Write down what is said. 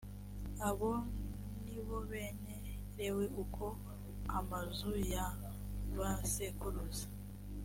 abo ni bo bene lewi uko amazu ya ba sekuruza